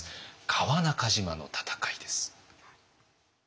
川中島の戦いです。